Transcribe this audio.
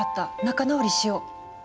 仲直りしよう」。